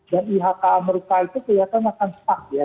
dan ihk amerika itu kelihatan akan sepak ya